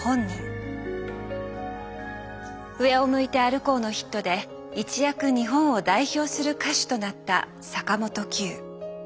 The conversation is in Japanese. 「上を向いて歩こう」のヒットで一躍日本を代表する歌手となった坂本九。